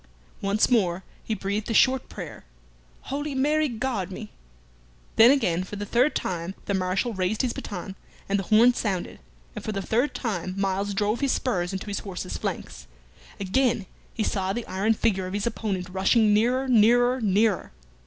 Once more he breathed a short prayer, "Holy Mary, guard me!" Then again, for the third time, the Marshal raised his baton, and the horn sounded, and for the third time Myles drove his spurs into his horse's flanks. Again he saw the iron figure of his opponent rushing nearer, nearer, nearer.